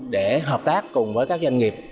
để hợp tác cùng với các doanh nghiệp